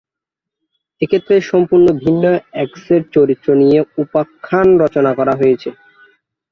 এক্ষেত্রে সম্পূর্ণ ভিন্ন এক সেট চরিত্র নিয়ে উপাখ্যান রচনা করা হয়েছে।